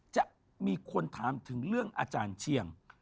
จะมีคนถามถึงเรื่องอาจารย์เชียง